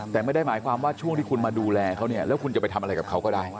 แต่ไม่ได้หมายความว่าช่วงที่คุณมาดูแลเขาเนี่ยแล้วคุณจะไปทำอะไรกับเขาก็ได้